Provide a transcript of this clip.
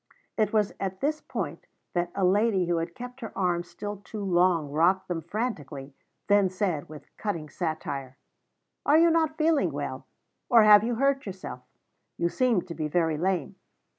It was at this point that a lady who had kept her arms still too long rocked them frantically, then said, with cutting satire: "Are you not feeling well, or have you hurt yourself? You seem to be very lame."